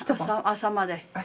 朝まで。